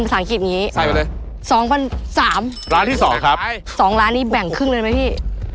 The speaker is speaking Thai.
ฝั่งนี้เขามีราคาเนอะเนี่ย